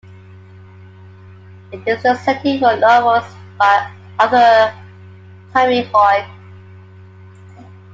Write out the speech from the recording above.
It is the setting for novels by author Tami Hoag.